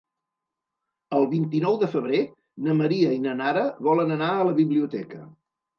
El vint-i-nou de febrer na Maria i na Nara volen anar a la biblioteca.